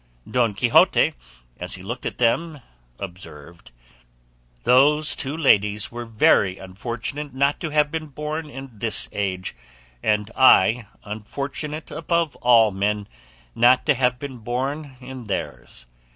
Don Quixote as he looked at them observed, "Those two ladies were very unfortunate not to have been born in this age, and I unfortunate above all men not to have been born in theirs.